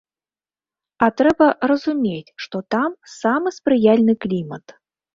А трэба разумець, што там самы спрыяльны клімат.